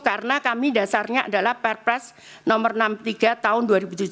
karena kami dasarnya adalah perpres nomor enam puluh tiga tahun dua ribu tujuh belas